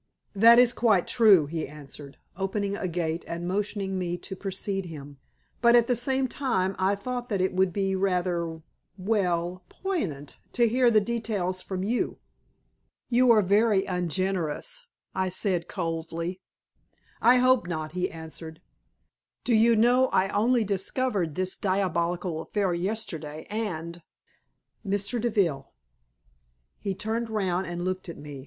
"That is quite true," he answered, opening a gate and motioning me to precede him. "But at the same time I thought that it would be rather well, piquant to hear the details from you." "You are very ungenerous," I said, coldly. "I hope not," he answered. "Do you know I only discovered this diabolical affair yesterday, and " "Mr. Deville!" He turned round and looked at me.